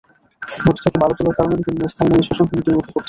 নদী থেকে বালু তোলার কারণে বিভিন্ন স্থানে নদীশাসন হুমকির মুখে পড়েছে।